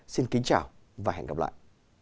xin kính chào và hẹn gặp lại